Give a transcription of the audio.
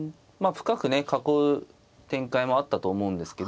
深くね囲う展開もあったと思うんですけど。